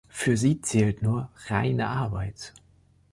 Für sie zählt nur reine Arbeit.